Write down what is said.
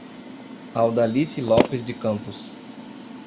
Audalice Lopes de Campos